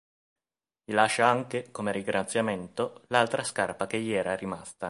Gli lascia anche, come ringraziamento, l'altra scarpa che gli era rimasta.